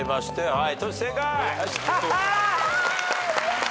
はい。